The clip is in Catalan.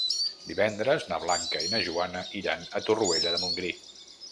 Divendres na Blanca i na Joana iran a Torroella de Montgrí.